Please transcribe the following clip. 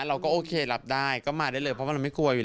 เราก็โอเครับได้ก็มาได้เลยเพราะว่าเราไม่กลัวอยู่แล้ว